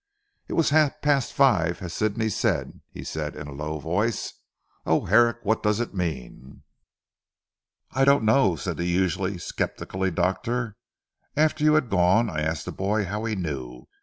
"It was half past five as Sidney said," he said in a low voice. "Oh, Herrick what does it mean?" "I do not know," said the usually sceptically doctor, "After you had gone, I asked the boy how he knew.